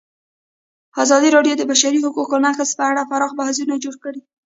ازادي راډیو د د بشري حقونو نقض په اړه پراخ بحثونه جوړ کړي.